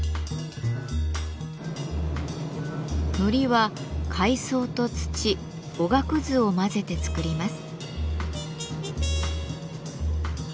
糊は海藻と土おがくずを混ぜて作ります。